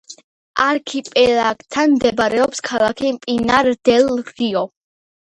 არქიპელაგთან მდებარეობს ქალაქი პინარ-დელ-რიო.